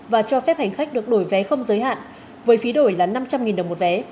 và cho phép hành khách được đổi vé không giới hạn với phí đổi là năm trăm linh đồng một vé